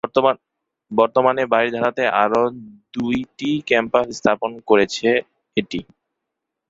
বর্তমানে বারিধারা তে আরো দুই টি ক্যাম্পাস স্থাপন করেছে এটি।